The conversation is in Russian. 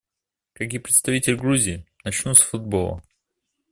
Как и представитель Грузии, начну с футбола.